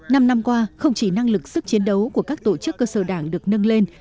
năm năm qua không chỉ năng lực sức chiến đấu của các tổ chức cơ sở đảng được nâng lên